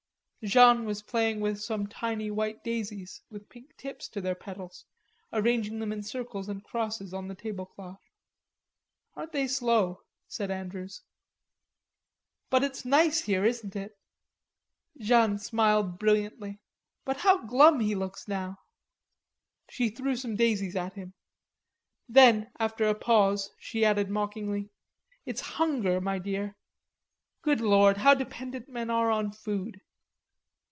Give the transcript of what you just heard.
Jeanne was playing with some tiny white daisies with pink tips to their petals, arranging them in circles and crosses on the tablecloth. "Aren't they slow?" said Andrews. "But it's nice here, isn't it?" Jeanne smiled brilliantly. "But how glum he looks now." She threw some daisies at him. Then, after a pause, she added mockingly: "It's hunger, my dear. Good Lord, how dependent men are on food!"